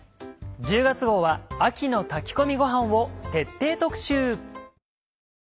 １０月号は秋の炊き込みごはんを徹底特集。